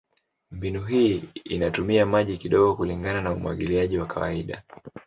Mbinu hii inatumia maji kidogo kulingana na umwagiliaji wa kawaida.